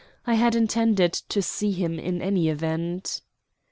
I had intended to see him in any event."